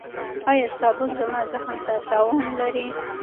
ایا صابون زما زخم ته تاوان لري؟